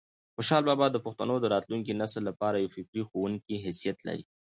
خوشحال بابا د پښتنو د راتلونکي نسل لپاره د یو فکري ښوونکي حیثیت لري.